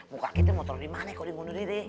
muka kita mau taruh di mana kalau dia ngundurin diri